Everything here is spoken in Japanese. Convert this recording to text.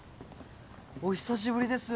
・お久しぶりです